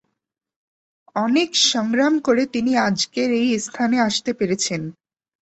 অনেক সংগ্রাম করে তিনি আজকের এই স্থানে আসতে পেরেছেন।